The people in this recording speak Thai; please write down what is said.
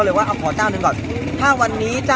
สวัสดีครับทุกคนวันนี้เกิดขึ้นทุกวันนี้นะครับ